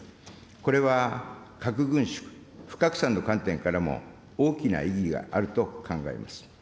これは核軍縮・不拡散の観点からも、大きな意義があると考えます。